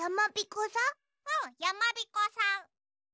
うんやまびこさん。